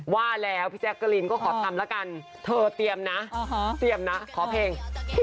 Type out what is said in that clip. ว่าแล้วพี่แจ๊กกะลินก็ขอทำละกันเธอเตรียมนะเตรียมนะขอเพลง